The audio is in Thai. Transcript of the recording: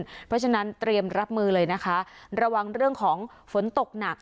เพราะฉะนั้นเตรียมรับมือเลยนะคะระวังเรื่องของฝนตกหนัก